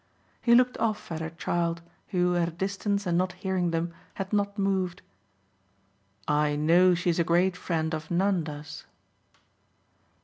He looked off at her child, who, at a distance and not hearing them, had not moved. "I know she's a great friend of Nanda's."